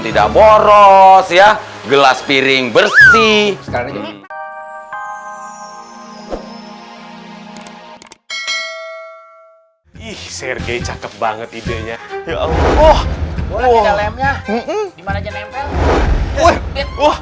tidak boros ya gelas piring bersih sekarang ini ih sergei cakep banget idenya ya allah